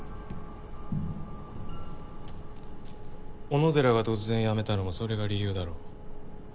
小野寺が突然辞めたのもそれが理由だろう。